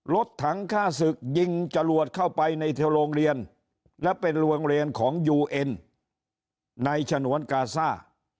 รถถังฆ่าศึกยิงจรวดเข้าไปในโรงเรียนและเป็นโรงเรียนของยูเอ็นในฉนวนกาซ่า